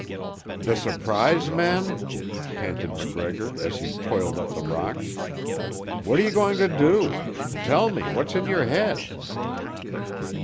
"The surprise, man?" panted MacGregor as he toiled up the rocks. "What are you going to do? Tell me what's in your head?"